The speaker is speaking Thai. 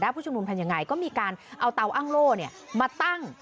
ผู้ชุมนุมทำยังไงก็มีการเอาเตาอ้างโล่มาตั้ง